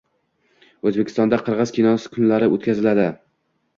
O‘zbekistonda "Qirg‘iz kinosi kunlari" o‘tkaziladi